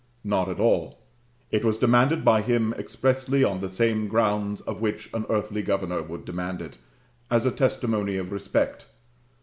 Not at all. It was demanded by Him expressly on the same grounds on which an earthly governor would demand it, as a testimony of respect.